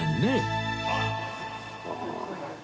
ああ。